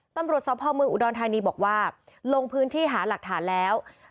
ตำรวจสภเมืองอุดรธานีบอกว่าลงพื้นที่หาหลักฐานแล้ว